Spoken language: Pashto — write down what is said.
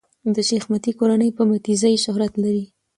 د شېخ متی کورنۍ په "متي زي" شهرت لري.